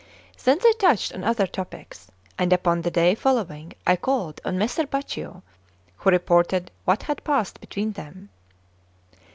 Then they touched on other topics; and upon the day following I called on Messer Baccio, who reported what had passed between them.